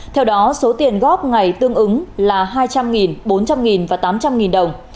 theo đó số tiền góp ngày tương ứng là hai trăm linh bốn trăm linh và tám trăm linh đồng